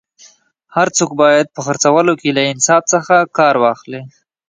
هر څوک باید په خرڅولو کي له انصاف څخه کار واخلي